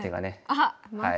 あっまた。